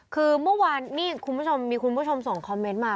คือเมื่อวานนี้คุณผู้ชมมีคุณผู้ชมส่งคอมเมนต์มา